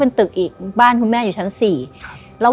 และยินดีต้อนรับทุกท่านเข้าสู่เดือนพฤษภาคมครับ